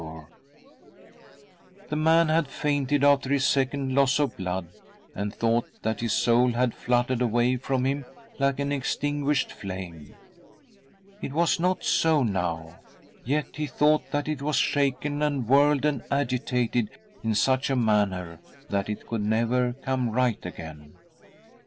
The man had fainted after his second loss of blood, v and thought that his soul had fluttered away from him like an extinguished flame. It was not so now— yet he thought that it was shaken and whirled and agitated in such a manner that it could never come right again.